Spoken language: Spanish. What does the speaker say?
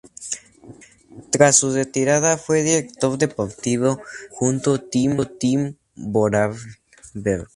Tras su retirada fue director deportivo del conjunto Team Vorarlberg.